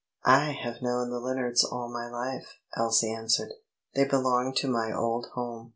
"I have known the Lennards all my life," Elsie answered. "They belong to my old home.